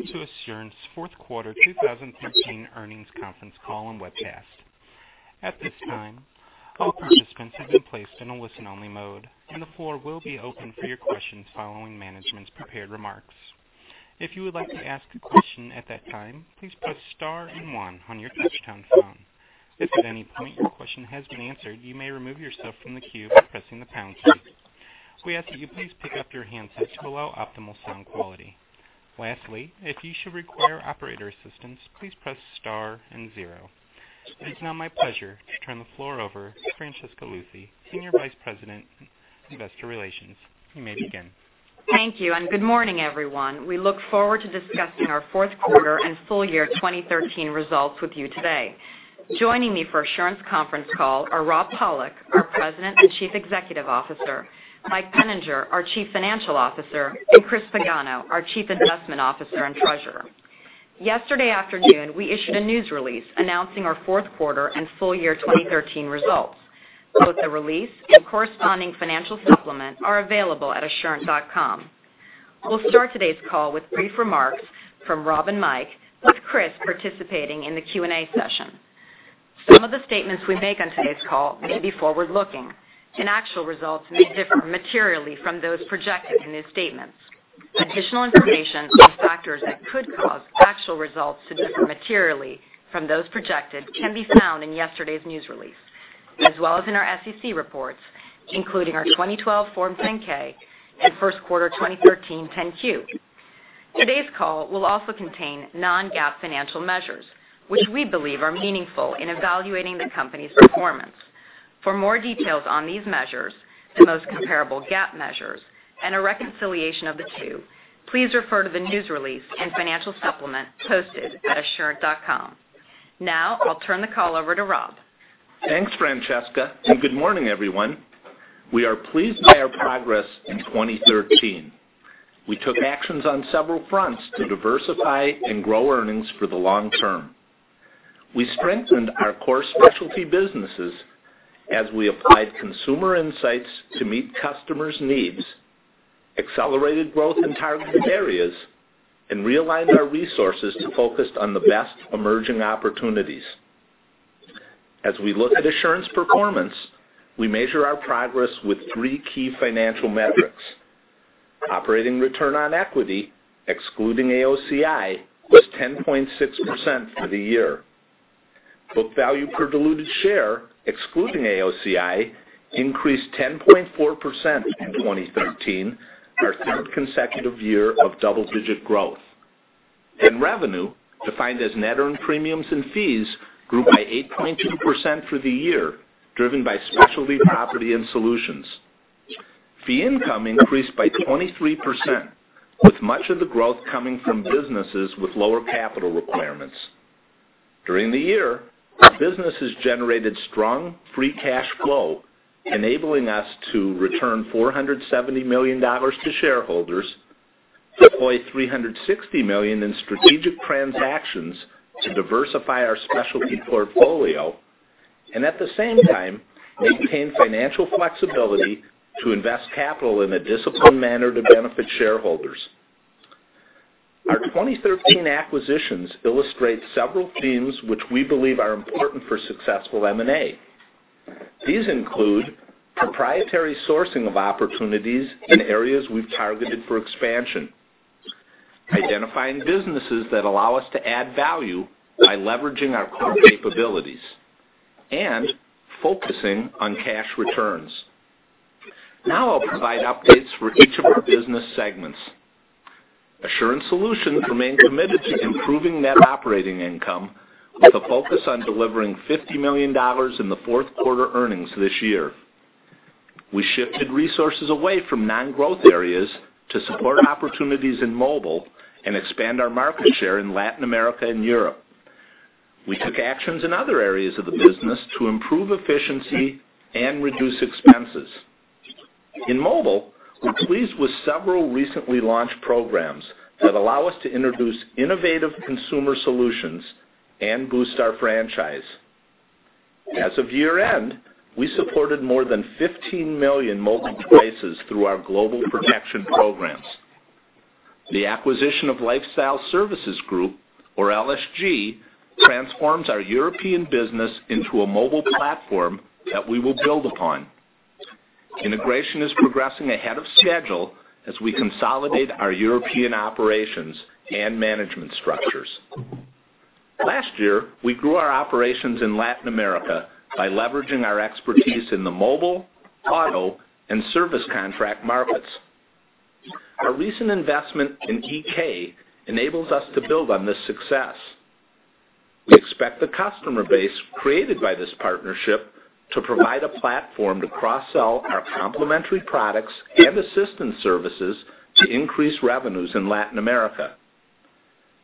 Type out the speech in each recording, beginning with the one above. Welcome to Assurant's fourth quarter 2013 earnings conference call and webcast. At this time, all participants have been placed in a listen-only mode, and the floor will be open for your questions following management's prepared remarks. If you would like to ask a question at that time, please press star and one on your touchtone phone. If at any point your question has been answered, you may remove yourself from the queue by pressing the pound key. We ask that you please pick up your handsets to allow optimal sound quality. Lastly, if you should require operator assistance, please press star and zero. It's now my pleasure to turn the floor over to Francesca Luthi, Senior Vice President, Investor Relations. You may begin. Thank you. Good morning, everyone. We look forward to discussing our fourth quarter and full year 2013 results with you today. Joining me for Assurant's conference call are Robert Pollock, our President and Chief Executive Officer, Michael Peninger, our Chief Financial Officer, and Christopher Pagano, our Chief Investment Officer and Treasurer. Yesterday afternoon, we issued a news release announcing our fourth quarter and full year 2013 results. Both the release and corresponding financial supplement are available at assurant.com. We'll start today's call with brief remarks from Rob and Mike, with Chris participating in the Q&A session. Some of the statements we make on today's call may be forward-looking, and actual results may differ materially from those projected in these statements. Additional information on factors that could cause actual results to differ materially from those projected can be found in yesterday's news release, as well as in our SEC reports, including our 2012 Form 10-K and first quarter 2013 10-Q. Today's call will also contain non-GAAP financial measures, which we believe are meaningful in evaluating the company's performance. For more details on these measures and those comparable GAAP measures and a reconciliation of the two, please refer to the news release and financial supplement posted at assurant.com. Now, I'll turn the call over to Rob. Thanks, Francesca. Good morning, everyone. We are pleased by our progress in 2013. We took actions on several fronts to diversify and grow earnings for the long term. We strengthened our core Specialty businesses as we applied consumer insights to meet customers' needs, accelerated growth in targeted areas, and realigned our resources to focus on the best emerging opportunities. As we look at Assurant's performance, we measure our progress with three key financial metrics. Operating return on equity, excluding AOCI, was 10.6% for the year. Book value per diluted share, excluding AOCI, increased 10.4% in 2013, our third consecutive year of double-digit growth. Revenue, defined as net earned premiums and fees, grew by 8.2% for the year, driven by Specialty Property and Solutions. Fee income increased by 23%, with much of the growth coming from businesses with lower capital requirements. During the year, our businesses generated strong free cash flow, enabling us to return $470 million to shareholders, deploy $360 million in strategic transactions to diversify our specialty portfolio, and at the same time, maintain financial flexibility to invest capital in a disciplined manner to benefit shareholders. Our 2013 acquisitions illustrate several themes which we believe are important for successful M&A. These include proprietary sourcing of opportunities in areas we've targeted for expansion, identifying businesses that allow us to add value by leveraging our core capabilities, and focusing on cash returns. I'll provide updates for each of our business segments. Assurant Solutions remain committed to improving net operating income, with a focus on delivering $50 million in the fourth quarter earnings this year. We shifted resources away from non-growth areas to support opportunities in mobile and expand our market share in Latin America and Europe. We took actions in other areas of the business to improve efficiency and reduce expenses. In mobile, we're pleased with several recently launched programs that allow us to introduce innovative consumer solutions and boost our franchise. As of year-end, we supported more than 15 million mobile devices through our global protection programs. The acquisition of Lifestyle Services Group, or LSG, transforms our European business into a mobile platform that we will build upon. Integration is progressing ahead of schedule as we consolidate our European operations and management structures. Last year, we grew our operations in Latin America by leveraging our expertise in the mobile, auto, and service contract markets. Our recent investment in iké enables us to build on this success. We expect the customer base created by this partnership to provide a platform to cross-sell our complementary products and assistance services to increase revenues in Latin America.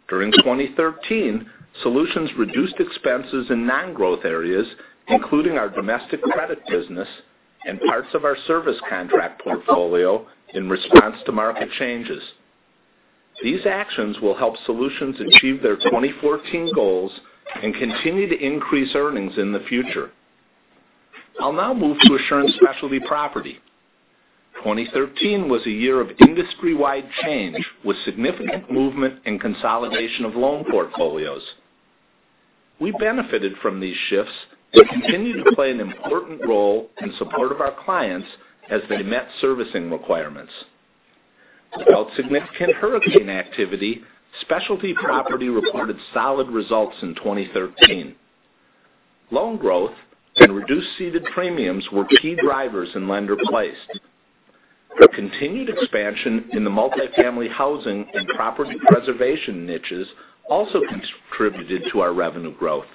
During 2013, Solutions reduced expenses in non-growth areas, including our domestic credit business and parts of our service contract portfolio in response to market changes. These actions will help Solutions achieve their 2014 goals and continue to increase earnings in the future. I'll now move to Assurant Specialty Property. 2013 was a year of industry-wide change, with significant movement and consolidation of loan portfolios. We benefited from these shifts and continued to play an important role in support of our clients as they met servicing requirements. Despite significant hurricane activity, Assurant Specialty Property reported solid results in 2013. Loan growth and reduced ceded premiums were key drivers in lender placed. The continued expansion in the multifamily housing and property preservation niches also contributed to our revenue growth.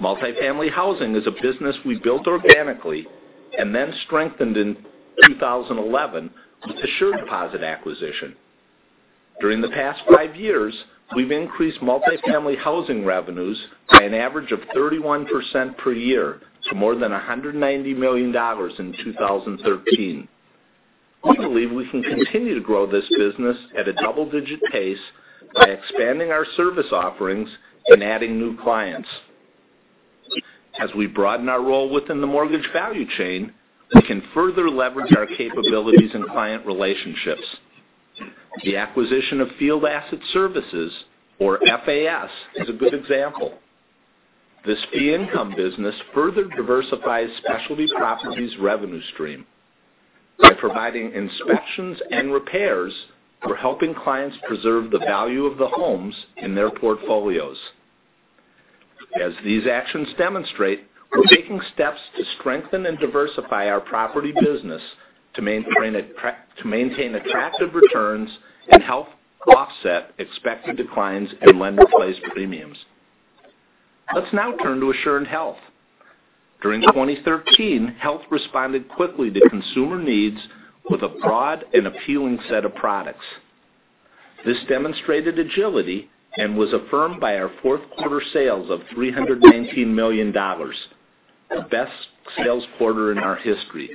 Multifamily housing is a business we built organically and then strengthened in 2011 with the SureDeposit acquisition. During the past five years, we've increased multifamily housing revenues by an average of 31% per year to more than $190 million in 2013. We believe we can continue to grow this business at a double-digit pace by expanding our service offerings and adding new clients. As we broaden our role within the mortgage value chain, we can further leverage our capabilities and client relationships. The acquisition of Field Asset Services, or FAS, is a good example. This fee income business further diversifies Assurant Specialty Property's revenue stream by providing inspections and repairs for helping clients preserve the value of the homes in their portfolios. As these actions demonstrate, we're taking steps to strengthen and diversify our property business to maintain attractive returns and help offset expected declines in lender-placed premiums. Let's now turn to Assurant Health. During 2013, Health responded quickly to consumer needs with a broad and appealing set of products. This demonstrated agility and was affirmed by our fourth quarter sales of $319 million, the best sales quarter in our history.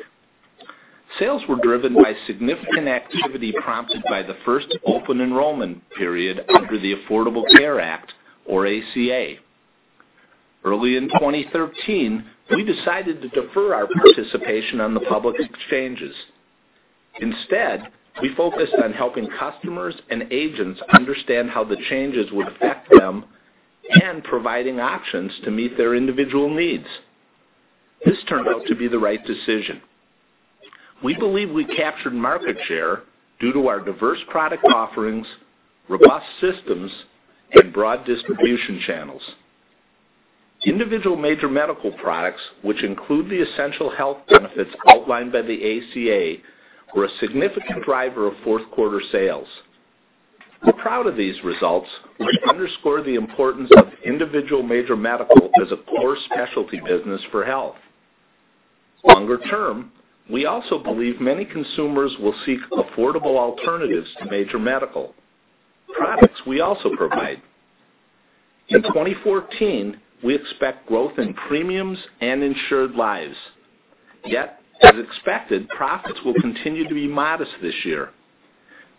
Sales were driven by significant activity prompted by the first open enrollment period under the Affordable Care Act, or ACA. Early in 2013, we decided to defer our participation on the public exchanges. Instead, we focused on helping customers and agents understand how the changes would affect them and providing options to meet their individual needs. This turned out to be the right decision. We believe we captured market share due to our diverse product offerings, robust systems, and broad distribution channels. Individual major medical products, which include the essential health benefits outlined by the ACA, were a significant driver of fourth quarter sales. We're proud of these results, which underscore the importance of individual major medical as a core specialty business for Health. Longer term, we also believe many consumers will seek affordable alternatives to major medical, products we also provide. In 2014, we expect growth in premiums and insured lives. Yet, as expected, profits will continue to be modest this year.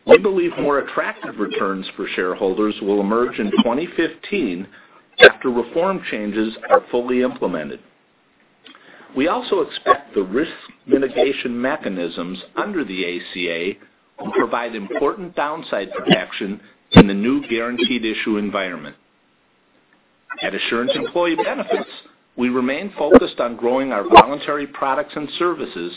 We believe more attractive returns for shareholders will emerge in 2015 after reform changes are fully implemented. We also expect the risk mitigation mechanisms under the ACA will provide important downside protection in the new guaranteed issue environment. At Assurant Employee Benefits, we remain focused on growing our voluntary products and services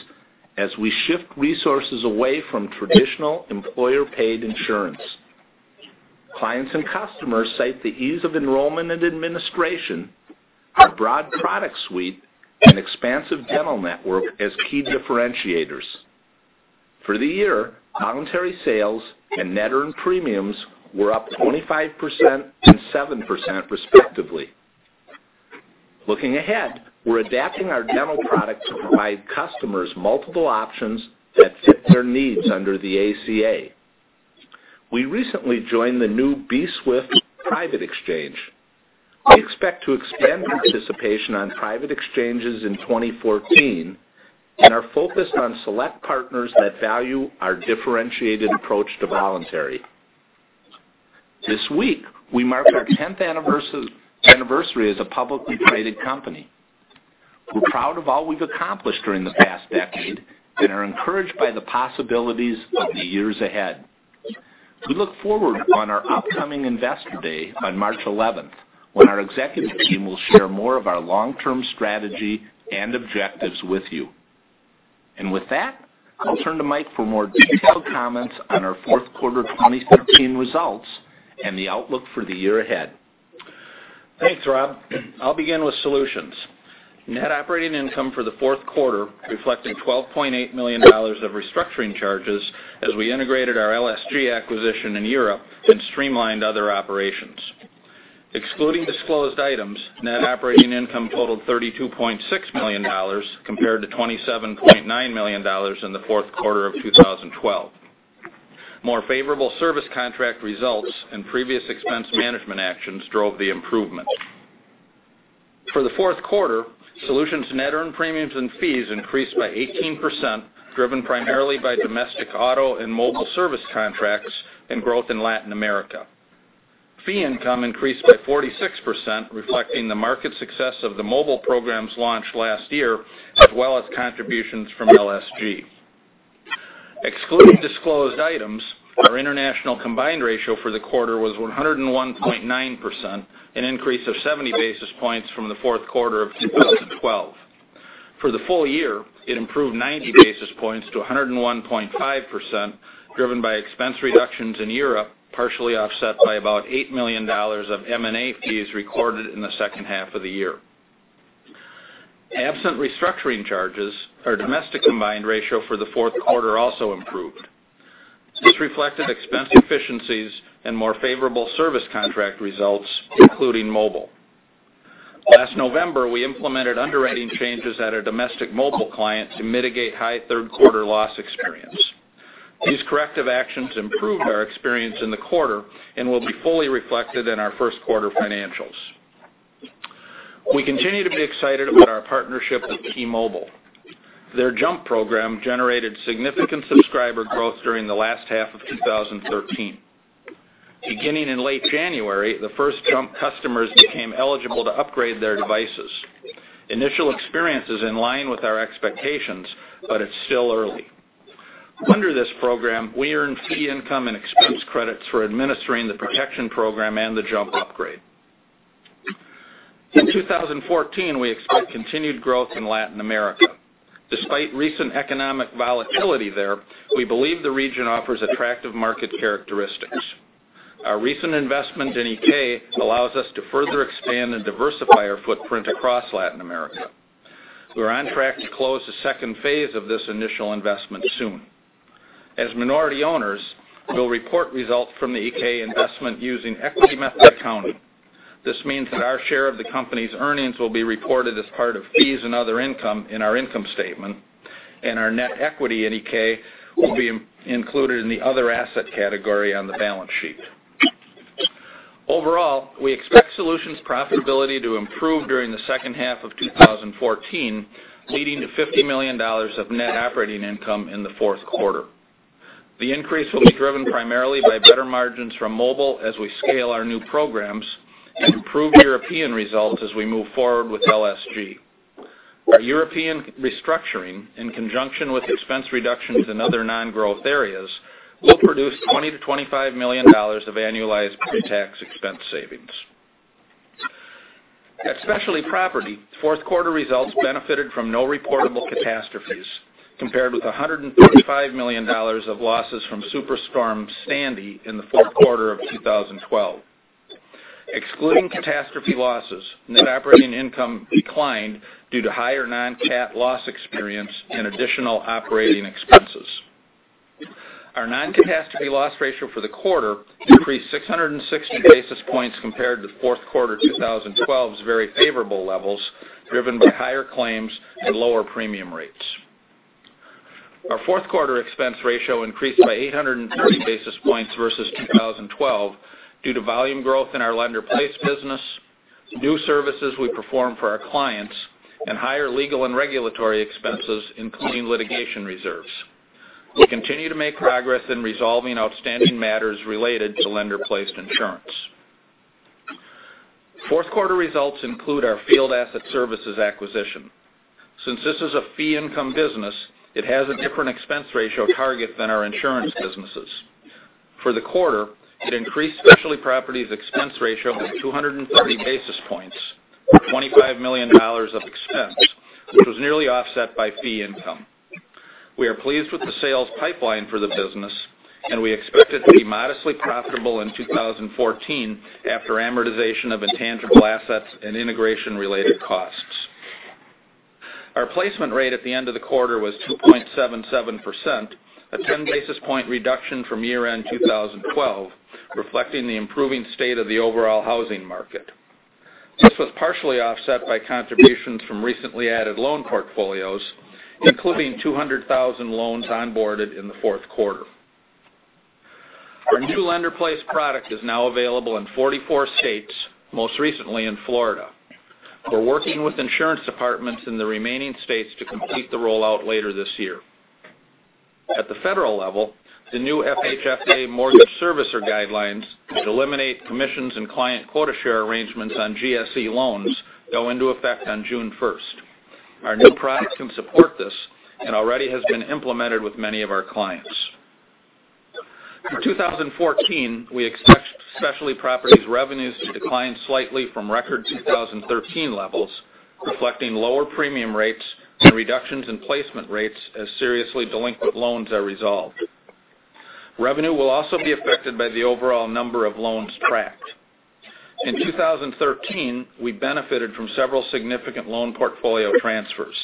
as we shift resources away from traditional employer-paid insurance. Clients and customers cite the ease of enrollment and administration, our broad product suite, and expansive dental network as key differentiators. For the year, voluntary sales and net earned premiums were up 25% and 7% respectively. Looking ahead, we're adapting our dental product to provide customers multiple options that fit their needs under the ACA. We recently joined the new bswift Private Exchange. We expect to expand our participation on private exchanges in 2014 and are focused on select partners that value our differentiated approach to voluntary. This week, we mark our 10th anniversary as a publicly traded company. We're proud of all we've accomplished during the past decade and are encouraged by the possibilities of the years ahead. We look forward on our upcoming Investor Day on March 11th, when our executive team will share more of our long-term strategy and objectives with you. With that, I'll turn to Mike for more detailed comments on our fourth quarter 2013 results and the outlook for the year ahead. Thanks, Rob. I'll begin with Solutions. Net operating income for the fourth quarter reflected $12.8 million of restructuring charges as we integrated our LSG acquisition in Europe and streamlined other operations. Excluding disclosed items, net operating income totaled $32.6 million compared to $27.9 million in the fourth quarter of 2012. More favorable service contract results and previous expense management actions drove the improvement. For the fourth quarter, Solutions net earned premiums and fees increased by 18%, driven primarily by domestic auto and mobile service contracts and growth in Latin America. Fee income increased by 46%, reflecting the market success of the mobile programs launched last year, as well as contributions from LSG. Excluding disclosed items, our international combined ratio for the quarter was 101.9%, an increase of 70 basis points from the fourth quarter of 2012. For the full year, it improved 90 basis points to 101.5%, driven by expense reductions in Europe, partially offset by about $8 million of M&A fees recorded in the second half of the year. Absent restructuring charges, our domestic combined ratio for the fourth quarter also improved. This reflected expense efficiencies and more favorable service contract results, including mobile. Last November, we implemented underwriting changes at our domestic mobile client to mitigate high third quarter loss experience. These corrective actions improved our experience in the quarter and will be fully reflected in our first quarter financials. We continue to be excited about our partnership with T-Mobile. Their JUMP! program generated significant subscriber growth during the last half of 2013. Beginning in late January, the first JUMP! customers became eligible to upgrade their devices. Initial experience is in line with our expectations, but it's still early. Under this program, we earn fee income and expense credits for administering the protection program and the JUMP! Upgrade. In 2014, we expect continued growth in Latin America. Despite recent economic volatility there, we believe the region offers attractive market characteristics. Our recent investment in iké allows us to further expand and diversify our footprint across Latin America. We're on track to close the second phase of this initial investment soon. As minority owners, we'll report results from the iké investment using equity method accounting. This means that our share of the company's earnings will be reported as part of fees and other income in our income statement, and our net equity in iké will be included in the other asset category on the balance sheet. Overall, we expect Solutions profitability to improve during the second half of 2014, leading to $50 million of net operating income in the fourth quarter. The increase will be driven primarily by better margins from mobile as we scale our new programs and improve European results as we move forward with LSG. Our European restructuring, in conjunction with expense reductions in other non-growth areas, will produce $20 million-$25 million of annualized pre-tax expense savings. At Specialty Property, fourth quarter results benefited from no reportable catastrophes, compared with $135 million of losses from Superstorm Sandy in the fourth quarter of 2012. Excluding catastrophe losses, net operating income declined due to higher non-cat loss experience and additional operating expenses. Our non-catastrophe loss ratio for the quarter increased 660 basis points compared to fourth quarter of 2012's very favorable levels, driven by higher claims and lower premium rates. Our fourth quarter expense ratio increased by 830 basis points versus 2012 due to volume growth in our lender-placed business, new services we perform for our clients, and higher legal and regulatory expenses, including litigation reserves. We continue to make progress in resolving outstanding matters related to lender-placed insurance. Fourth quarter results include our Field Asset Services acquisition. Since this is a fee income business, it has a different expense ratio target than our insurance businesses. For the quarter, it increased Specialty Property's expense ratio of 230 basis points, $25 million of expense, which was nearly offset by fee income. We are pleased with the sales pipeline for the business, and we expect it to be modestly profitable in 2014 after amortization of intangible assets and integration-related costs. Our placement rate at the end of the quarter was 2.77%, a 10 basis point reduction from year-end 2012, reflecting the improving state of the overall housing market. This was partially offset by contributions from recently added loan portfolios, including 200,000 loans onboarded in the fourth quarter. Our new lender-placed product is now available in 44 states, most recently in Florida. We're working with insurance departments in the remaining states to complete the rollout later this year. At the federal level, the new FHFA mortgage servicer guidelines that eliminate commissions and client quota share arrangements on GSE loans go into effect on June 1st. Our new product can support this and already has been implemented with many of our clients. For 2014, we expect Specialty Property revenues to decline slightly from record 2013 levels, reflecting lower premium rates and reductions in placement rates as seriously delinquent loans are resolved. Revenue will also be affected by the overall number of loans tracked. In 2013, we benefited from several significant loan portfolio transfers.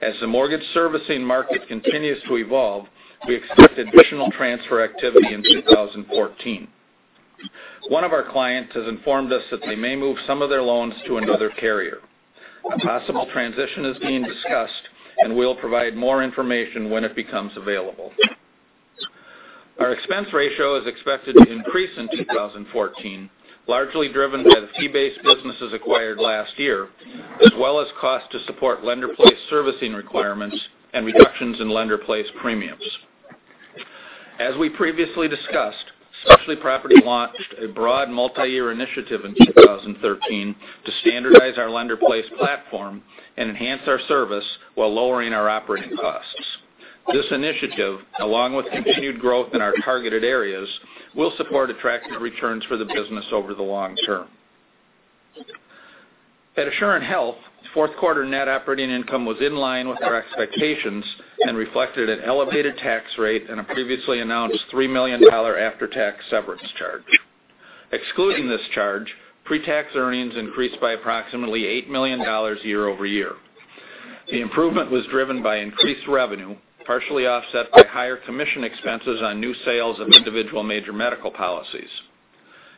As the mortgage servicing market continues to evolve, we expect additional transfer activity in 2014. One of our clients has informed us that they may move some of their loans to another carrier. A possible transition is being discussed, and we'll provide more information when it becomes available. Our expense ratio is expected to increase in 2014, largely driven by the fee-based businesses acquired last year, as well as cost to support lender-placed servicing requirements and reductions in lender-placed premiums. As we previously discussed, Specialty Property launched a broad multi-year initiative in 2013 to standardize our lender-placed platform and enhance our service while lowering our operating costs. This initiative, along with continued growth in our targeted areas, will support attractive returns for the business over the long term. At Assurant Health, fourth quarter net operating income was in line with our expectations and reflected an elevated tax rate and a previously announced $3 million after-tax severance charge. Excluding this charge, pre-tax earnings increased by approximately $8 million year-over-year. The improvement was driven by increased revenue, partially offset by higher commission expenses on new sales of individual major medical policies.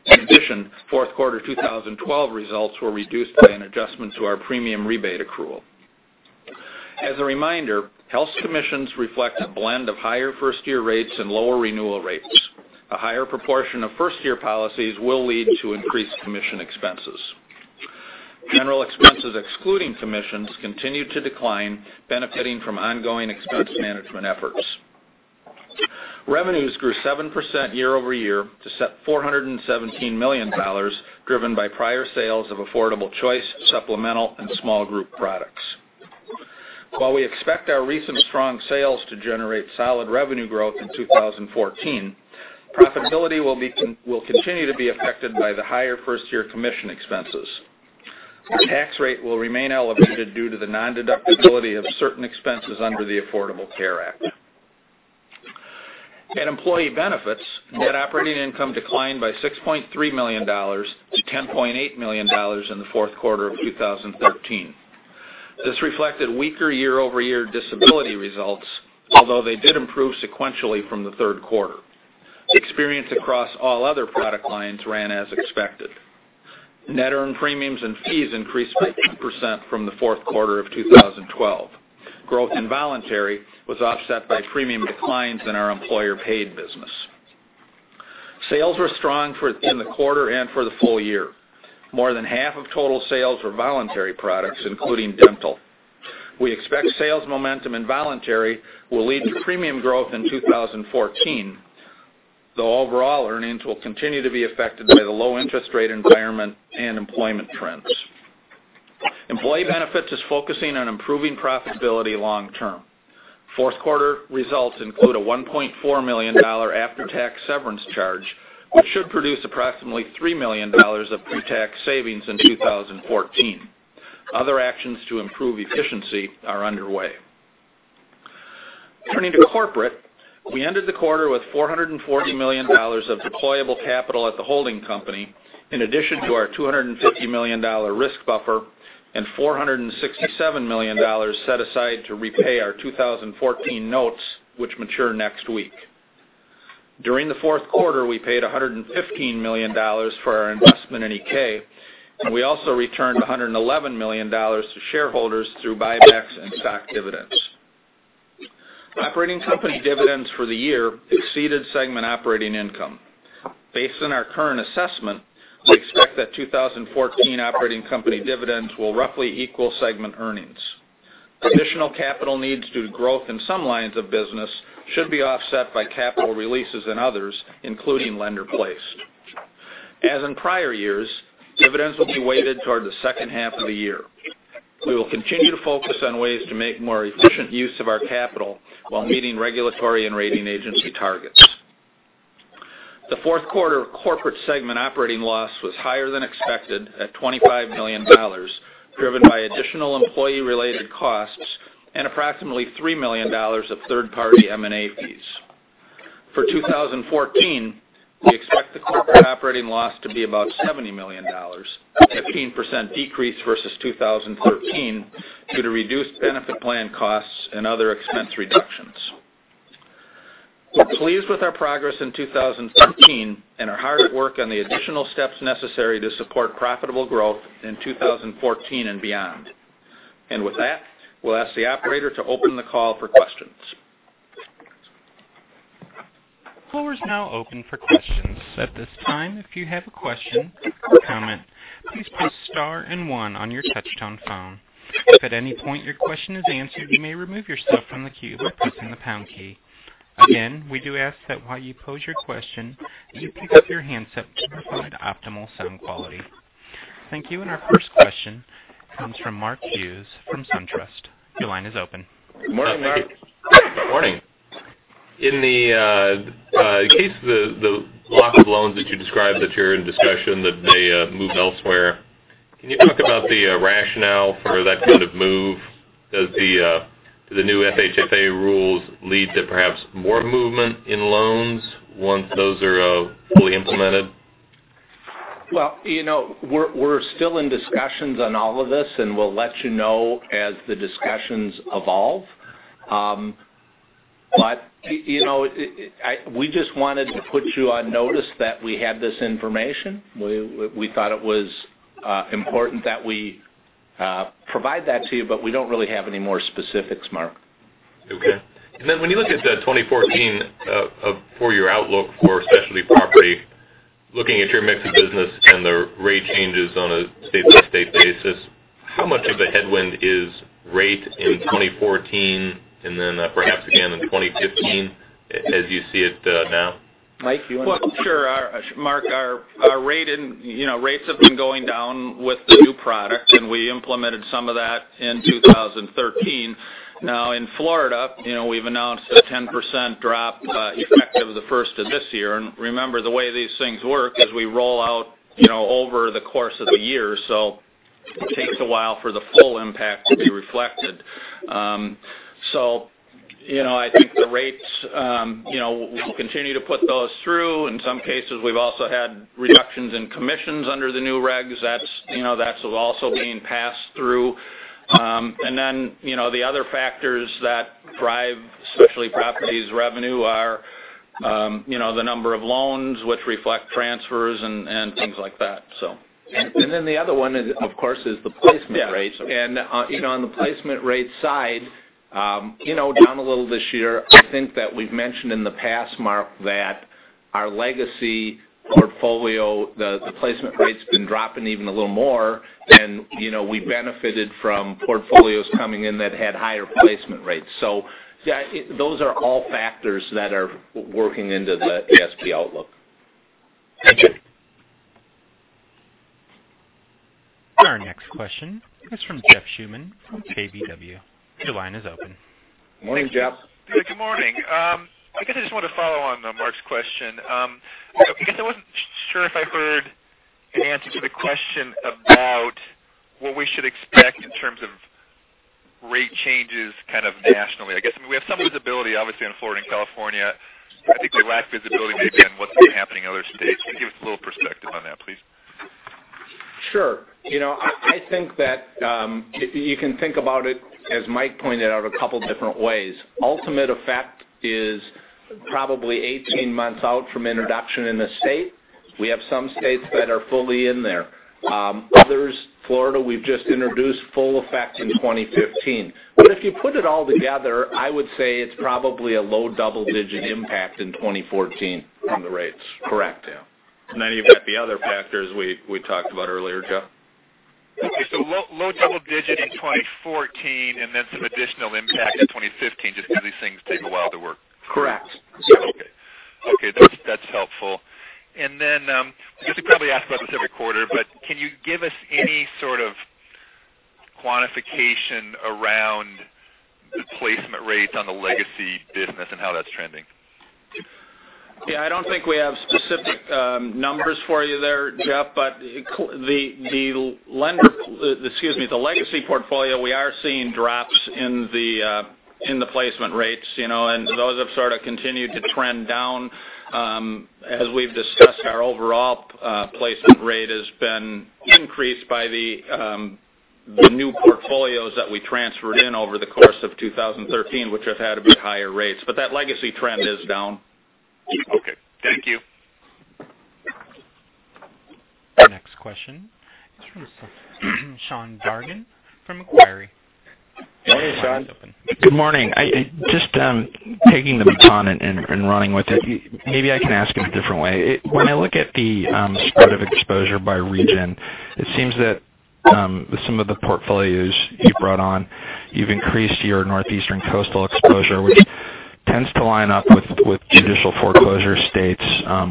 In addition, fourth quarter 2012 results were reduced by an adjustment to our premium rebate accrual. As a reminder, health commissions reflect a blend of higher first-year rates and lower renewal rates. A higher proportion of first-year policies will lead to increased commission expenses. General expenses excluding commissions continued to decline, benefiting from ongoing expense management efforts. Revenues grew 7% year-over-year to set $417 million, driven by prior sales of Affordable Choice, supplemental, and small group products. While we expect our recent strong sales to generate solid revenue growth in 2014, profitability will continue to be affected by the higher first-year commission expenses. Our tax rate will remain elevated due to the non-deductibility of certain expenses under the Affordable Care Act. At Employee Benefits, net operating income declined by $6.3 million to $10.8 million in the fourth quarter of 2013. This reflected weaker year-over-year disability results, although they did improve sequentially from the third quarter. Experience across all other product lines ran as expected. Net earned premiums and fees increased by 10% from the fourth quarter of 2012. Growth in voluntary was offset by premium declines in our employer-paid business. Sales were strong in the quarter and for the full year. More than half of total sales were voluntary products, including dental. We expect sales momentum in voluntary will lead to premium growth in 2014, though overall earnings will continue to be affected by the low interest rate environment and employment trends. Employee Benefits is focusing on improving profitability long term. Fourth quarter results include a $1.4 million after-tax severance charge, which should produce approximately $3 million of pre-tax savings in 2014. Other actions to improve efficiency are underway. Turning to Corporate, we ended the quarter with $440 million of deployable capital at the holding company, in addition to our $250 million risk buffer and $467 million set aside to repay our 2014 notes, which mature next week. During the fourth quarter, we paid $115 million for our investment in iké, and we also returned $111 million to shareholders through buybacks and stock dividends. Operating company dividends for the year exceeded segment operating income. Based on our current assessment, we expect that 2014 operating company dividends will roughly equal segment earnings. Additional capital needs due to growth in some lines of business should be offset by capital releases in others, including lender-placed. As in prior years, dividends will be weighted toward the second half of the year. We will continue to focus on ways to make more efficient use of our capital while meeting regulatory and rating agency targets. The fourth quarter corporate segment operating loss was higher than expected at $25 million, driven by additional employee-related costs and approximately $3 million of third-party M&A fees. For 2014, we expect the corporate operating loss to be about $70 million, a 15% decrease versus 2013 due to reduced benefit plan costs and other expense reductions. We're pleased with our progress in 2013 and are hard at work on the additional steps necessary to support profitable growth in 2014 and beyond. With that, we'll ask the operator to open the call for questions. Floor is now open for questions. At this time, if you have a question or comment, please press star 1 on your touch-tone phone. If at any point your question is answered, you may remove yourself from the queue by pressing the pound key. We do ask that while you pose your question, that you pick up your handset to provide optimal sound quality. Thank you. Our first question comes from Mark Hughes from SunTrust. Your line is open. Morning, Mark. Morning. In case the block of loans that you described that you're in discussion that they move elsewhere, can you talk about the rationale for that kind of move? Does the new FHFA rules lead to perhaps more movement in loans once those are fully implemented? Well, we're still in discussions on all of this, and we'll let you know as the discussions evolve. We just wanted to put you on notice that we had this information. We thought it was important that we provide that to you, but we don't really have any more specifics, Mark. Okay. When you look at the 2014 for your outlook for Specialty Property, looking at your mix of business and the rate changes on a state-by-state basis, how much of a headwind is rate in 2014 and then perhaps again in 2015 as you see it now? Mike. Well, sure. Mark, our rates have been going down with the new product, and we implemented some of that in 2013. In Florida, we've announced a 10% drop effective the first of this year. Remember, the way these things work is we roll out over the course of the year. It takes a while for the full impact to be reflected. I think the rates, we'll continue to put those through. In some cases, we've also had reductions in commissions under the new regs. That's also being passed through. The other factors that drive Specialty Property's revenue are the number of loans which reflect transfers and things like that. The other one is, of course, is the placement rates. Yeah. On the placement rate side, down a little this year. I think that we've mentioned in the past, Mark, that our legacy portfolio, the placement rate's been dropping even a little more than we benefited from portfolios coming in that had higher placement rates. Those are all factors that are working into the ASP outlook. Thank you. Our next question is from Jeff Schmitt from KBW. Your line is open. Morning, Jeff. Good morning. I guess I just wanted to follow on Mark's question. I guess I wasn't sure if I heard an answer to the question about what we should expect in terms of rate changes kind of nationally. I guess we have some visibility, obviously, in Florida and California. I think we lack visibility maybe on what's been happening in other states. Can you give us a little perspective on that, please? Sure. I think that you can think about it, as Mike Peninger pointed out, a couple different ways. Ultimate effect is probably 18 months out from introduction in the state. We have some states that are fully in there. Others, Florida, we've just introduced full effect in 2015. If you put it all together, I would say it's probably a low double-digit impact in 2014 on the rates. Correct. Yeah. You've got the other factors we talked about earlier, Jeff. Okay. Low double digit in 2014, some additional impact in 2015, just because these things take a while to work. Correct. Okay. That's helpful. I guess we probably ask about this every quarter, can you give us any sort of quantification around placement rates on the legacy business and how that's trending? Yeah, I don't think we have specific numbers for you there, Jeff. The legacy portfolio, we are seeing drops in the placement rates. Those have sort of continued to trend down. As we've discussed, our overall placement rate has been increased by the new portfolios that we transferred in over the course of 2013, which have had a bit higher rates. That legacy trend is down. Okay. Thank you. Next question is from Sean Dargan from Macquarie. Morning, Sean. Good morning. Just taking the baton and running with it. Maybe I can ask it a different way. When I look at the spread of exposure by region, it seems that some of the portfolios you brought on, you've increased your Northeastern coastal exposure, which tends to line up with judicial foreclosure states,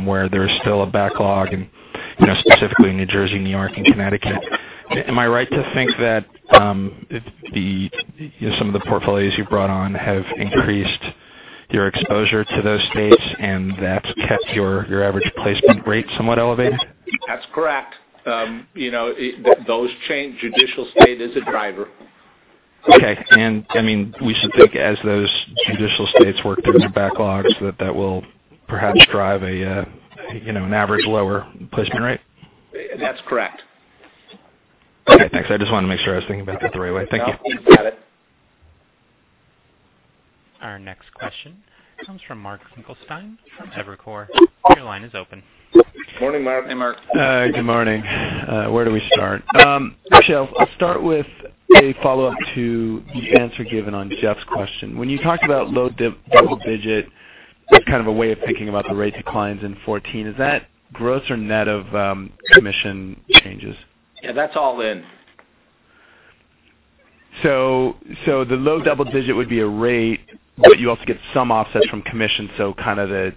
where there's still a backlog in specifically New Jersey, New York, and Connecticut. Am I right to think that some of the portfolios you've brought on have increased your exposure to those states, and that's kept your average placement rate somewhat elevated? That's correct. Those change. Judicial state is a driver. Okay. We should think as those judicial states work through their backlogs, that that will perhaps drive an average lower placement rate? That's correct. Okay, thanks. I just wanted to make sure I was thinking about that the right way. Thank you. You got it. Our next question comes from Mark Finkelstein from Evercore. Your line is open. Morning, Mark. Hey, Mark. Good morning. Where do we start? Actually, I'll start with a follow-up to the answer given on Jeff's question. When you talked about low double digit as kind of a way of thinking about the rate declines in 2014, is that gross or net of commission changes? Yeah, that's all in. The low double-digit would be a rate, but you also get some offset from commission, kind of the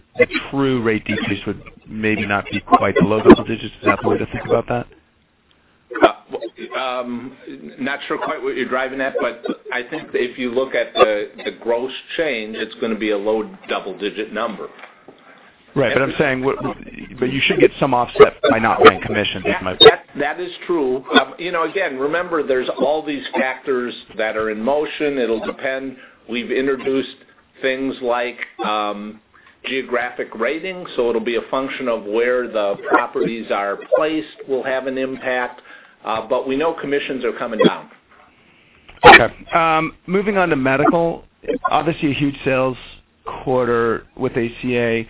true rate decrease would maybe not be quite the low double digits. Is that the way to think about that? Not sure quite what you're driving at, but I think if you look at the gross change, it's going to be a low double-digit number. Right. I'm saying, you should get some offset by not paying commission. That is true. Again, remember, there's all these factors that are in motion. It'll depend. We've introduced things like geographic rating, so it'll be a function of where the properties are placed will have an impact. We know commissions are coming down. Okay. Moving on to medical. Obviously, a huge sales quarter with ACA.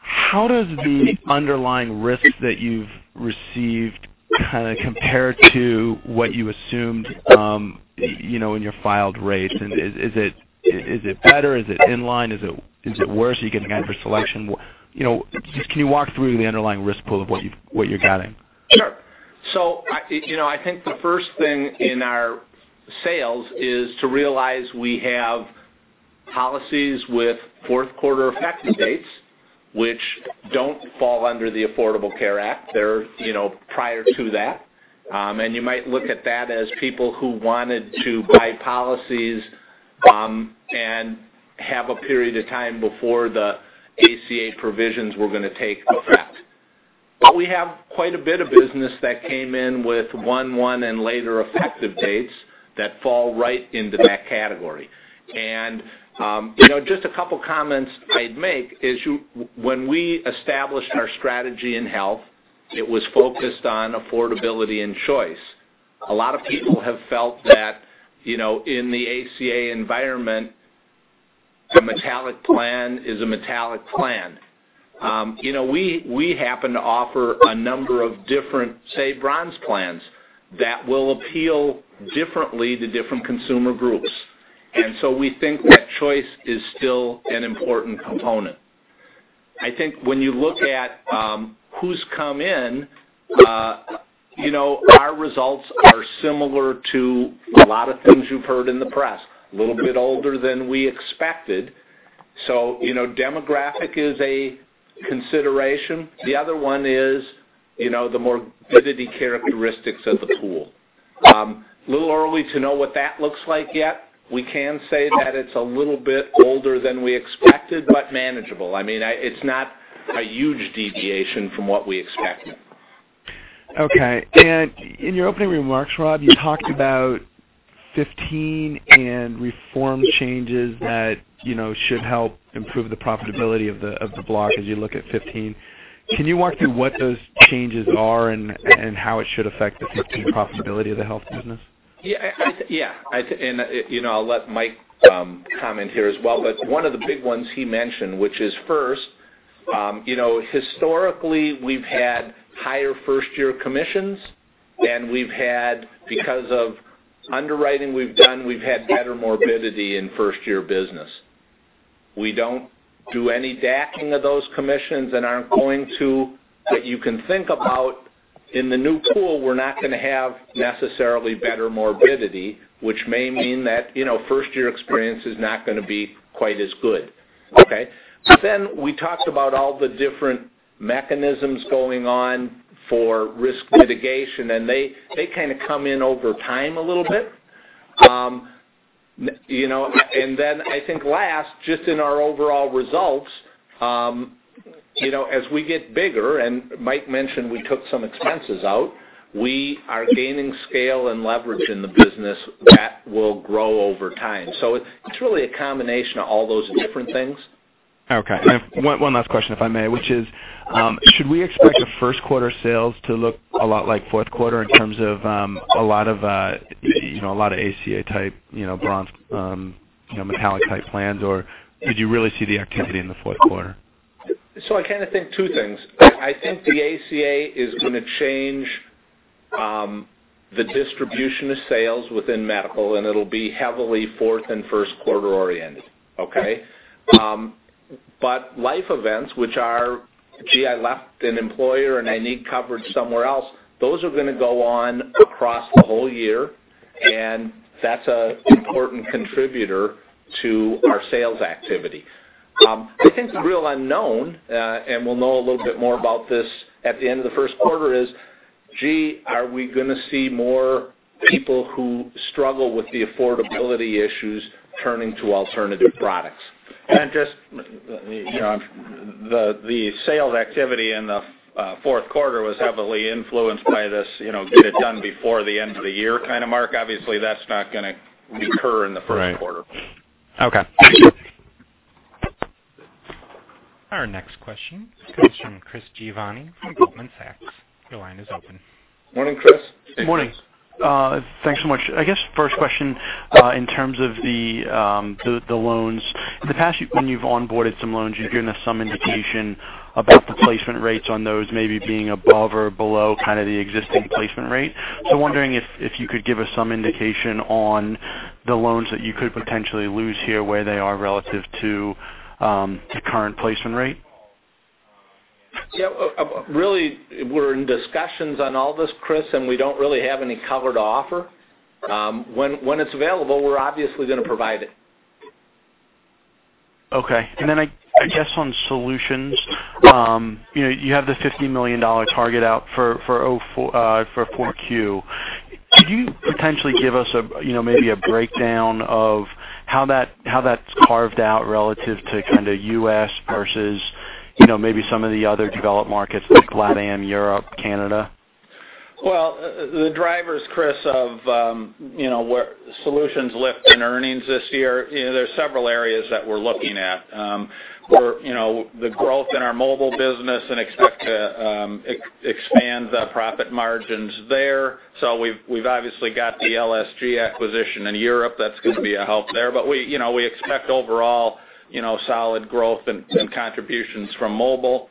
How does the underlying risk that you've received kind of compare to what you assumed in your filed rates? Is it better? Is it in line? Is it worse? Are you getting adverse selection? Just, can you walk through the underlying risk pool of what you're getting? Sure. I think the first thing in our sales is to realize we have Policies with fourth quarter effective dates, which don't fall under the Affordable Care Act. They're prior to that. You might look at that as people who wanted to buy policies and have a period of time before the ACA provisions were going to take effect. We have quite a bit of business that came in with 1/1 and later effective dates that fall right into that category. Just a couple of comments I'd make is when we established our strategy in health, it was focused on affordability and choice. A lot of people have felt that in the ACA environment, a metallic plan is a metallic plan. We happen to offer a number of different, say, bronze plans that will appeal differently to different consumer groups. We think that choice is still an important component. I think when you look at who's come in, our results are similar to a lot of things you've heard in the press, a little bit older than we expected. Demographic is a consideration. The other one is the morbidity characteristics of the pool. Little early to know what that looks like yet. We can say that it's a little bit older than we expected, but manageable. I mean, it's not a huge deviation from what we expected. Okay. In your opening remarks, Rob, you talked about 2015 and reform changes that should help improve the profitability of the block as you look at 2015. Can you walk through what those changes are and how it should affect the 2015 profitability of the health business? Yeah. I'll let Mike comment here as well, one of the big ones he mentioned, which is first, historically we've had higher first-year commissions than we've had because of underwriting we've done, we've had better morbidity in first year business. We don't do any backing of those commissions and aren't going to. You can think about in the new pool, we're not going to have necessarily better morbidity, which may mean that first year experience is not going to be quite as good. Okay? We talked about all the different mechanisms going on for risk mitigation, they kind of come in over time a little bit. I think last, just in our overall results, as we get bigger, Mike mentioned we took some expenses out, we are gaining scale and leverage in the business that will grow over time. It's really a combination of all those different things. Okay. One last question, if I may, which is, should we expect the first quarter sales to look a lot like fourth quarter in terms of a lot of ACA type bronze, metallic type plans, or did you really see the activity in the fourth quarter? I kind of think two things. I think the ACA is going to change the distribution of sales within medical, and it'll be heavily fourth and first quarter oriented. Okay. Life events, which are, gee, I left an employer and I need coverage somewhere else, those are going to go on across the whole year, and that's an important contributor to our sales activity. I think the real unknown, and we'll know a little bit more about this at the end of the first quarter, is, gee, are we going to see more people who struggle with the affordability issues turning to alternative products? Just the sales activity in the fourth quarter was heavily influenced by this get it done before the end of the year kind of mark. That's not going to recur in the first quarter. Right. Okay. Our next question comes from Chris Giovanni from Goldman Sachs. Your line is open. Morning, Chris. Morning. Thanks so much. I guess first question, in terms of the loans. In the past, when you've onboarded some loans, you've given us some indication about the placement rates on those maybe being above or below kind of the existing placement rate. Wondering if you could give us some indication on the loans that you could potentially lose here, where they are relative to current placement rate. Yeah. Really, we're in discussions on all this, Chris, and we don't really have any cover to offer. When it's available, we're obviously going to provide it. Okay. I guess on Assurant Solutions, you have the $50 million target out for 4Q. Could you potentially give us maybe a breakdown of how that's carved out relative to kind of U.S. versus maybe some of the other developed markets like LATAM, Europe, Canada? The drivers, Chris, of where Assurant Solutions lift in earnings this year, there's several areas that we're looking at. The growth in our mobile business and expect to expand the profit margins there. We've obviously got the LSG acquisition in Europe. That's going to be a help there. We expect overall solid growth and contributions from mobile.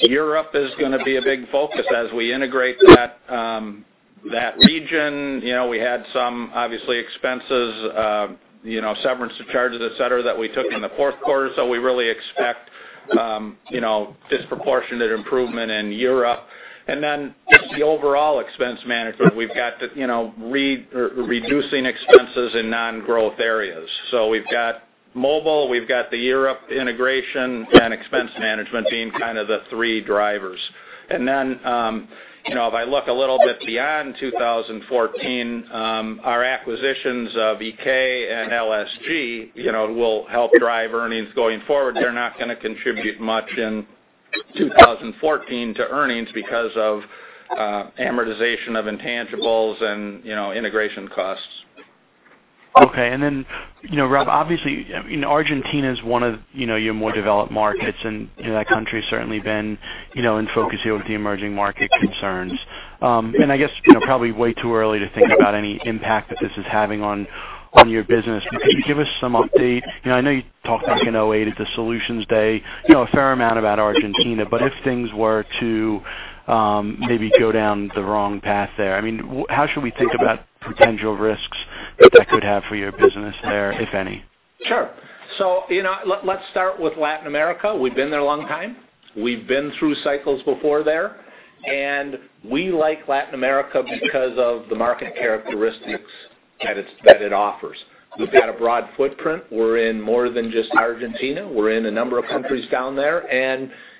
Europe is going to be a big focus as we integrate that region. We had some obviously expenses, severance charges, et cetera, that we took in the fourth quarter. We really expect disproportionate improvement in Europe. Just the overall expense management, we've got reducing expenses in non-growth areas. We've got mobile, we've got the Europe integration, and expense management being kind of the three drivers. If I look a little bit beyond 2014, our acquisitions of iké and LSG will help drive earnings going forward. They're not going to contribute much in 2014 to earnings because of amortization of intangibles and integration costs. Rob, obviously, Argentina is one of your more developed markets, and that country has certainly been in focus here with the emerging market concerns. Probably way too early to think about any impact that this is having on your business. Could you give us some update? I know you talked back in 2008 at the Solutions Day a fair amount about Argentina, if things were to maybe go down the wrong path there, how should we think about potential risks that could have for your business there, if any? Let's start with Latin America. We've been there a long time. We've been through cycles before there, and we like Latin America because of the market characteristics that it offers. We've got a broad footprint. We're in more than just Argentina. We're in a number of countries down there.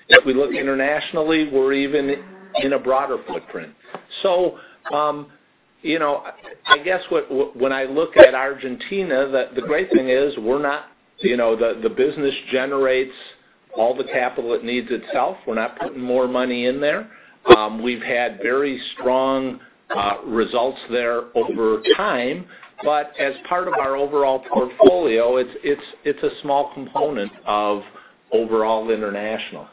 If we look internationally, we're even in a broader footprint. When I look at Argentina, the great thing is the business generates all the capital it needs itself. We're not putting more money in there. We've had very strong results there over time. As part of our overall portfolio, it's a small component of overall international.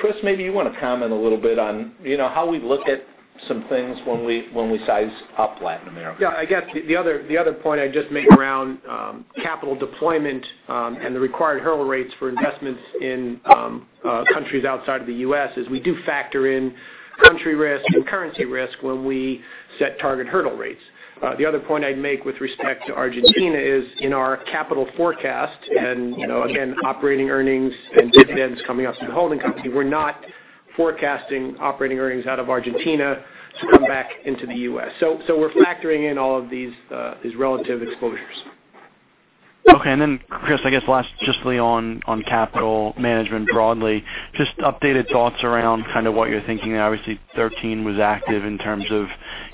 Chris, maybe you want to comment a little bit on how we look at some things when we size up Latin America. The other point I'd just make around capital deployment, and the required hurdle rates for investments in countries outside of the U.S., is we do factor in country risk and currency risk when we set target hurdle rates. The other point I'd make with respect to Argentina is in our capital forecast, and again, operating earnings and dividends coming out to the holding company. We're not forecasting operating earnings out of Argentina to come back into the U.S. We're factoring in all of these relative exposures. Okay. Chris, I guess last, just on capital management broadly, just updated thoughts around what you're thinking. Obviously, 2013 was active in terms of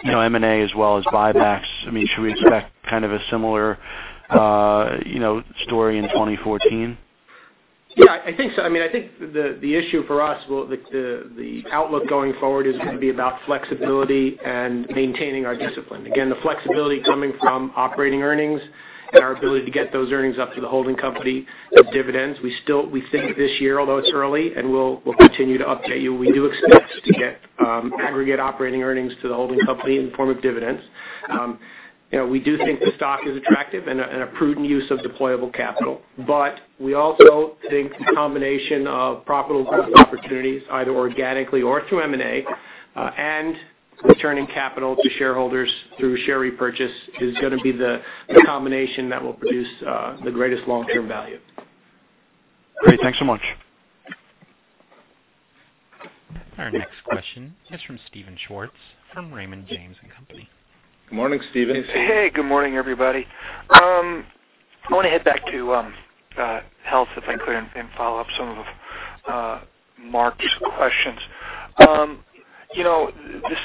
M&A as well as buybacks. Should we expect kind of a similar story in 2014? Yeah, I think so. I think the issue for us, the outlook going forward is going to be about flexibility and maintaining our discipline. Again, the flexibility coming from operating earnings and our ability to get those earnings up to the holding company as dividends. We think this year, although it's early, and we'll continue to update you, we do expect to get aggregate operating earnings to the holding company in the form of dividends. We do think the stock is attractive and a prudent use of deployable capital. We also think the combination of profitable growth opportunities, either organically or through M&A, and returning capital to shareholders through share repurchase, is going to be the combination that will produce the greatest long-term value. Great. Thanks so much. Our next question is from Steven Schwartz from Raymond James & Associates. Good morning, Steven. Hey, good morning, everybody. I want to head back to health, if I could, and follow up some of Mark's questions. The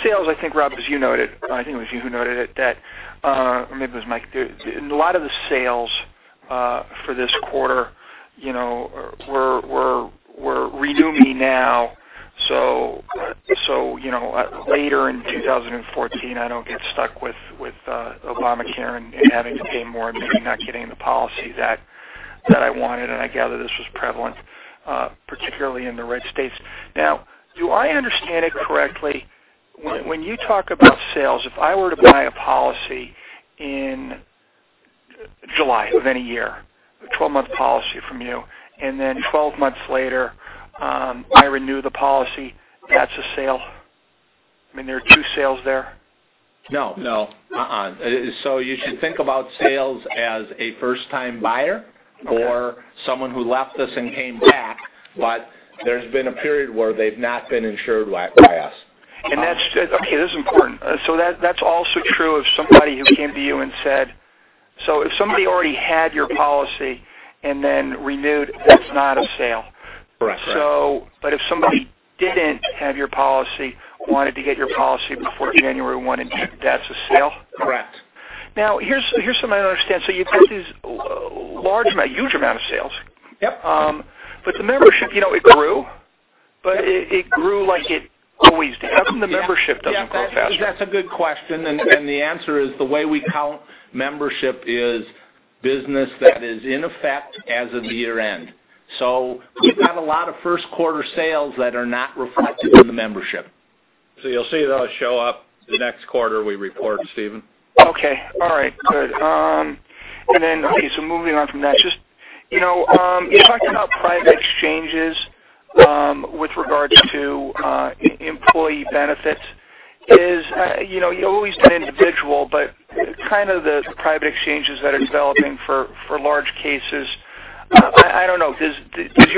sales, I think, Rob, as you noted, I think it was you who noted it, or maybe it was Mike. A lot of the sales for this quarter were renewing now. Later in 2014, I don't get stuck with Obamacare and having to pay more and maybe not getting the policy that I wanted, and I gather this was prevalent, particularly in the red states. Now, do I understand it correctly? When you talk about sales, if I were to buy a policy in July of any year, a 12-month policy from you, and then 12 months later, I renew the policy, that's a sale? I mean, there are two sales there? No. You should think about sales as a first-time buyer or someone who left us and came back, but there's been a period where they've not been insured by us. Okay, this is important. That's also true of somebody who came to you and if somebody already had your policy and then renewed, that's not a sale. Correct. If somebody didn't have your policy, wanted to get your policy before January 1 and 2, that's a sale? Correct. Now, here's something I don't understand. You've got these huge amount of sales. Yep. The membership, it grew, but it grew like it always did. I mean, the membership doesn't grow faster. That's a good question, and the answer is the way we count membership is business that is in effect as of year-end. We've got a lot of first quarter sales that are not reflected in the membership. You'll see those show up the next quarter we report, Steven. Okay. All right, good. Moving on from that. You talked about private exchanges, with regards to employee benefits. You always did individual, but kind of the private exchanges that are developing for large cases. I don't know. Does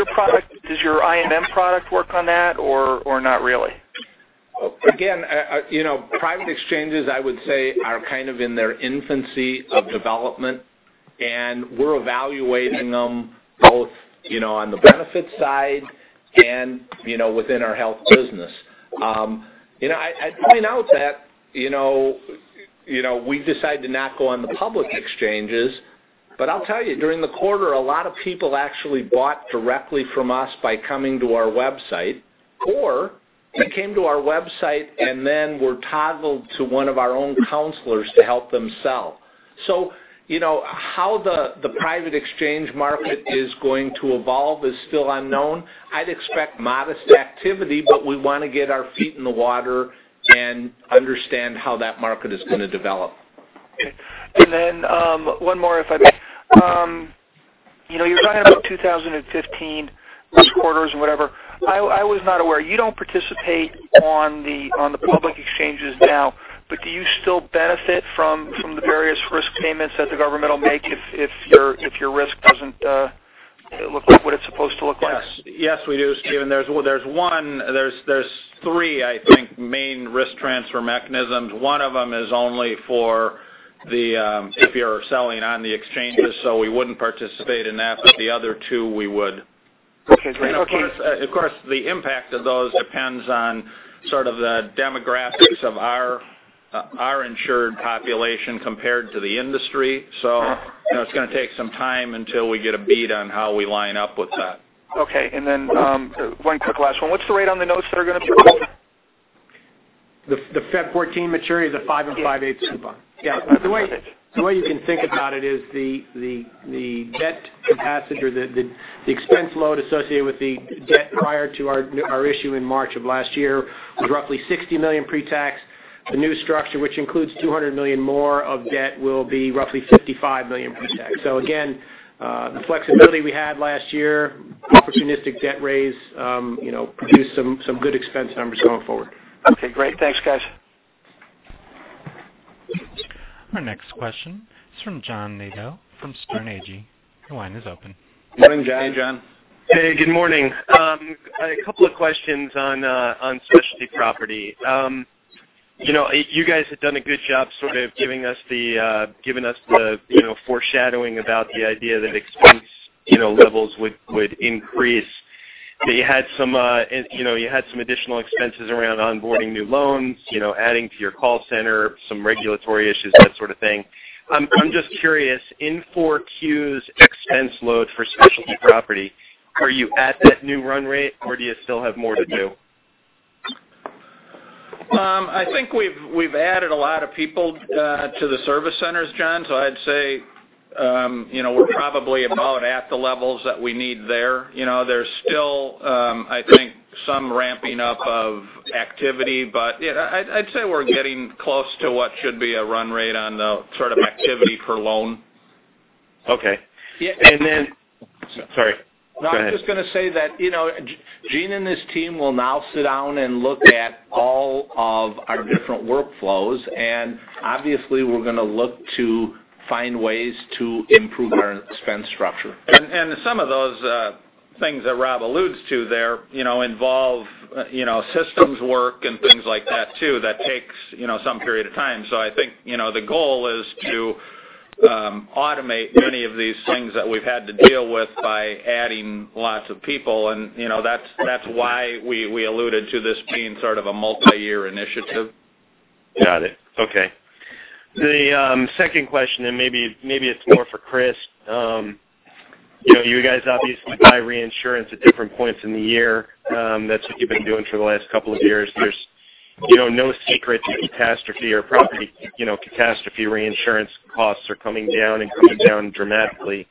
your INM product work on that or not really? Private exchanges, I would say, are kind of in their infancy of development, and we're evaluating them both on the benefit side and within our health business. I'd point out that we've decided to not go on the public exchanges, but I'll tell you, during the quarter, a lot of people actually bought directly from us by coming to our website. They came to our website and then were toggled to one of our own counselors to help them sell. How the private exchange market is going to evolve is still unknown. I'd expect modest activity, but we want to get our feet in the water and understand how that market is going to develop. Okay. One more if I may. You're talking about 2015 risk quarters or whatever. I was not aware. You don't participate on the public exchanges now, but do you still benefit from the various risk payments that the government makes if your risk doesn't look like what it's supposed to look like? Yes, we do, Steven. There's three, I think, main risk transfer mechanisms. One of them is only for if you're selling on the exchanges, so we wouldn't participate in that, but the other two, we would. Okay, great. Of course, the impact of those depends on sort of the demographics of our insured population compared to the industry. It's going to take some time until we get a beat on how we line up with that. Okay. Then one quick last one. What's the rate on the notes that are going to be offered? The February 14 maturity is a five and five-eighths coupon. The way you can think about it is the debt capacity or the expense load associated with the debt prior to our issue in March of last year was roughly $60 million pre-tax. The new structure, which includes $200 million more of debt, will be roughly $55 million pre-tax. Again, the flexibility we had last year, opportunistic debt raise produced some good expense numbers going forward. Okay, great. Thanks, guys. Our next question is from John Nadel from Sterne Agee. Your line is open. Morning, John. Morning, John. Hey, good morning. A couple of questions on Assurant Specialty Property. You guys have done a good job sort of giving us the foreshadowing about the idea that expense levels would increase. You had some additional expenses around onboarding new loans, adding to your call center, some regulatory issues, that sort of thing. I'm just curious, in 4Q's expense load for Assurant Specialty Property, are you at that new run rate or do you still have more to do? I think we've added a lot of people to the service centers, John. I'd say we're probably about at the levels that we need there. There's still I think some ramping up of activity, I'd say we're getting close to what should be a run rate on the sort of activity per loan. Okay. Sorry, go ahead. No, I was just going to say that Gene and his team will now sit down and look at all of our different workflows, obviously, we're going to look to find ways to improve our expense structure. Some of those things that Rob alludes to there involve systems work and things like that too. That takes some period of time. I think the goal is to automate many of these things that we've had to deal with by adding lots of people, and that's why we alluded to this being sort of a multi-year initiative. Got it. Okay. The second question, maybe it's more for Chris. You guys obviously buy reinsurance at different points in the year. That's what you've been doing for the last two years. There's no secret to catastrophe or property. Catastrophe reinsurance costs are coming down and coming down dramatically.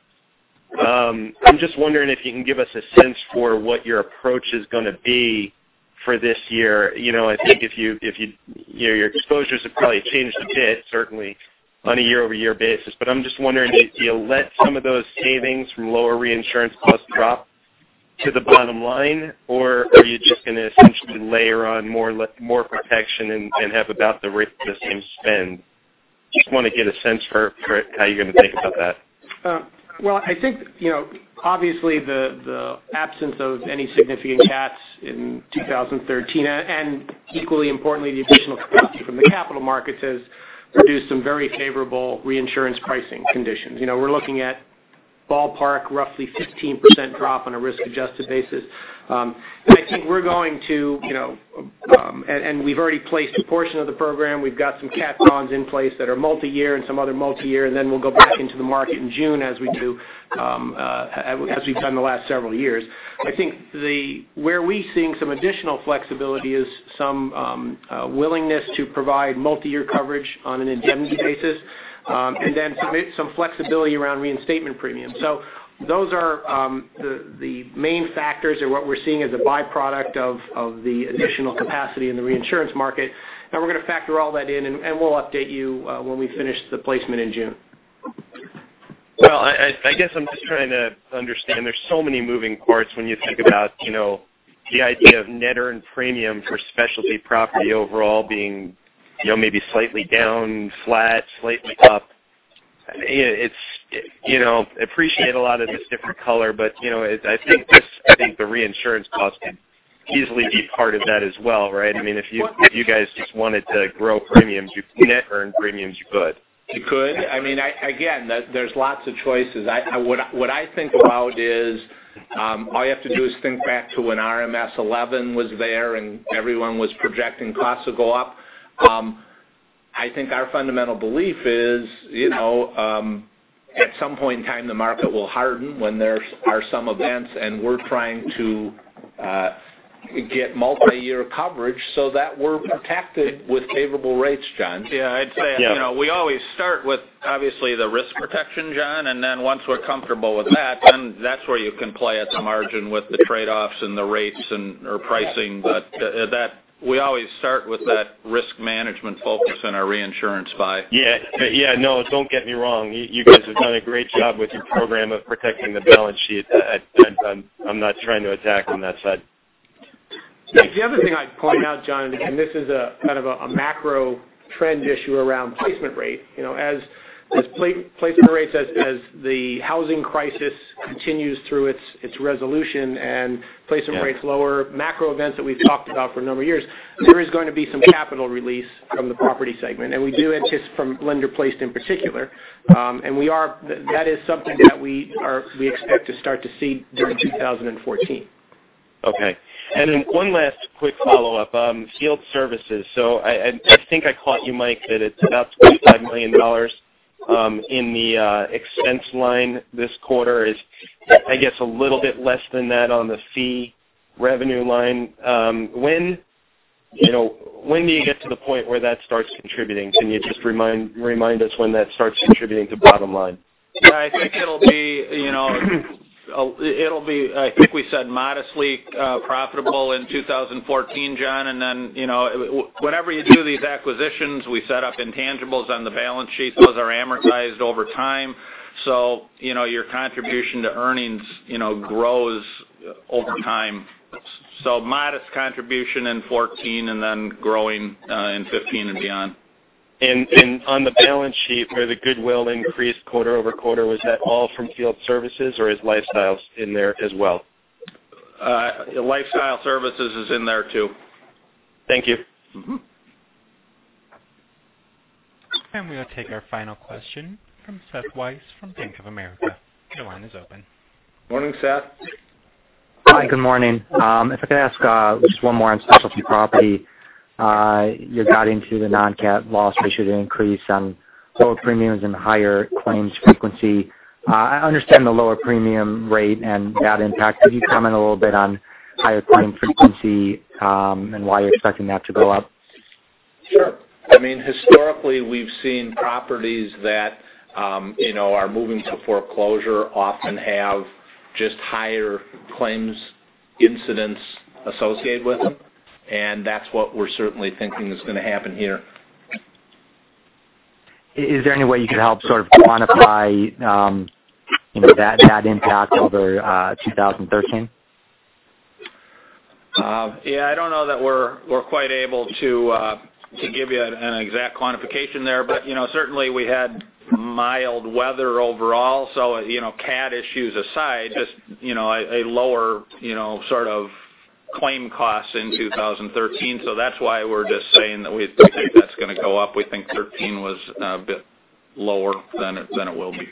I'm just wondering if you can give us a sense for what your approach is going to be for this year. I think your exposures have probably changed a bit, certainly on a year-over-year basis. I'm just wondering if you let some of those savings from lower reinsurance costs drop to the bottom line, or are you just going to essentially layer on more protection and have about the same spend? Just want to get a sense for how you're going to think about that. Well, I think obviously the absence of any significant cats in 2013, equally importantly, the additional capacity from the capital markets has produced some very favorable reinsurance pricing conditions. We're looking at ballpark roughly 15% drop on a risk-adjusted basis. We've already placed a portion of the program. We've got some cat bonds in place that are multi-year and some other multi-year, we'll go back into the market in June as we've done the last several years. I think where we're seeing some additional flexibility is some willingness to provide multi-year coverage on an indemnity basis, some flexibility around reinstatement premiums. Those are the main factors, or what we're seeing as a by-product of the additional capacity in the reinsurance market. We're going to factor all that in, and we'll update you when we finish the placement in June. Well, I guess I'm just trying to understand. There's so many moving parts when you think about the idea of net earned premium for Assurant Specialty Property overall being maybe slightly down, flat, slightly up. I appreciate a lot of this different color, but I think the reinsurance cost could easily be part of that as well, right? If you guys just wanted to grow net earned premiums, you could. You could. Again, there's lots of choices. What I think about is, all you have to do is think back to when RMS v11 was there and everyone was projecting costs will go up. I think our fundamental belief is, at some point in time, the market will harden when there are some events, and we're trying to get multi-year coverage so that we're protected with favorable rates, John. Yeah. I'd say we always start with, obviously, the risk protection, John, and then once we're comfortable with that, then that's where you can play at the margin with the trade-offs and the rates or pricing. We always start with that risk management focus in our reinsurance buy. Yeah. No, don't get me wrong. You guys have done a great job with your program of protecting the balance sheet. I'm not trying to attack on that side. The other thing I'd point out, John, again, this is a kind of a macro trend issue around placement rate. As the housing crisis continues through its resolution and placement rates lower, macro events that we've talked about for a number of years, there is going to be some capital release from the property segment, and we do anticipate from lender-placed in particular. That is something that we expect to start to see during 2014. Okay. Then one last quick follow-up. Field Services. I think I caught you, Mike, that it's about $25 million in the expense line this quarter is, I guess, a little bit less than that on the fee revenue line. When do you get to the point where that starts contributing? Can you just remind us when that starts contributing to bottom line? I think we said modestly profitable in 2014, John. Then, whenever you do these acquisitions, we set up intangibles on the balance sheet. Those are amortized over time. Your contribution to earnings grows over time. Modest contribution in 2014 and then growing in 2015 and beyond. On the balance sheet where the goodwill increased quarter-over-quarter, was that all from Field Services or is Lifestyles in there as well? Lifestyle Services is in there, too. Thank you. We'll take our final question from Seth Weiss from Bank of America. Your line is open. Morning, Seth. Hi. Good morning. If I could ask just one more on Specialty Property. You got into the noncat loss ratio increase on lower premiums and higher claims frequency. I understand the lower premium rate and that impact. Could you comment a little bit on higher claim frequency, and why you're expecting that to go up? Sure. Historically, we've seen properties that are moving to foreclosure often have just higher claims incidents associated with them, and that's what we're certainly thinking is going to happen here. Is there any way you could help sort of quantify that impact over 2013? Yeah, I don't know that we're quite able to give you an exact quantification there. Certainly we had mild weather overall. Cat issues aside, just a lower sort of claim cost in 2013. That's why we're just saying that we think that's going to go up. We think 2013 was a bit lower than it will be.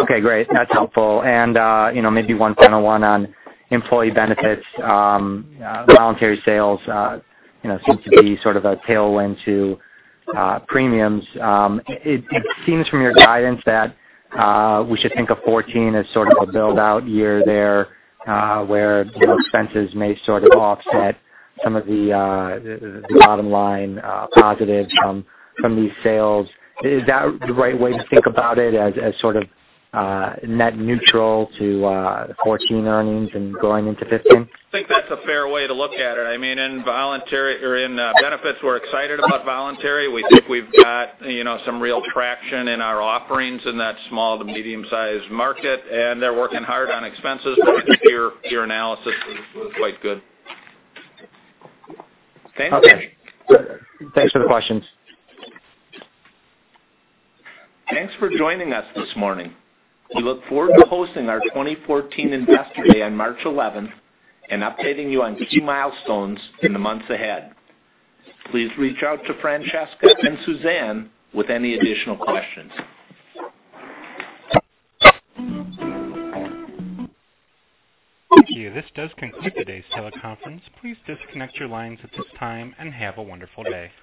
Okay, great. That's helpful. Maybe one final one on Assurant Employee Benefits. Voluntary sales seems to be sort of a tailwind to premiums. It seems from your guidance that we should think of 2014 as sort of a build-out year there, where expenses may sort of offset some of the bottom-line positive from these sales. Is that the right way to think about it as sort of net neutral to 2014 earnings and going into 2015? I think that's a fair way to look at it. In Assurant Employee Benefits, we're excited about voluntary. We think we've got some real traction in our offerings in that small to medium-sized market, and they're working hard on expenses. I think your analysis is quite good. Thank you. Okay. Thanks for the questions. Thanks for joining us this morning. We look forward to hosting our 2014 Investor Day on March 11th and updating you on key milestones in the months ahead. Please reach out to Francesca and Suzanne with any additional questions. Thank you. This does conclude today's teleconference. Please disconnect your lines at this time and have a wonderful day.